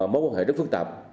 mối quan hệ rất phức tạp